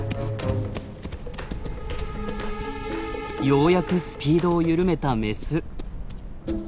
ようやくスピードを緩めたメス。